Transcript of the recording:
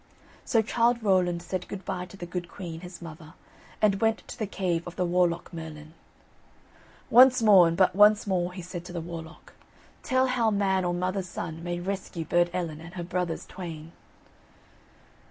So Childe Rowland said good bye to the good queen, his mother, and went to the cave of the Warlock Merlin. "Once more, and but once more," he said to the Warlock, "tell how man or mother's son may rescue Burd Ellen and her brothers twain."